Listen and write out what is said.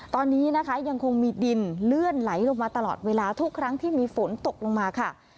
ตอนนี้นะคะยังคงมีดินเลื่อนไหลลงมาตลอดเวลาทุกครั้งที่มีฝนตกลงมาค่ะ